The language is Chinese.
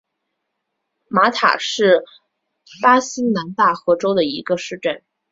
马塔是巴西南大河州的一个市镇。